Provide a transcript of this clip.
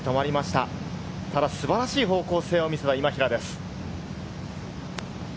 ただ素晴らしい方向性を見せた今平です。